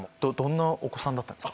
なお子さんだったんですか？